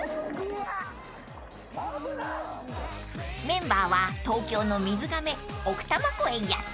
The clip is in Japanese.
［メンバーは東京の水がめ奥多摩湖へやって来ました］